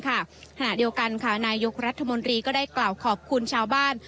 ขณะเดียวกันค่ะนายกรัฐมนตรีก็ได้กล่าวขอบคุณชาวบ้าน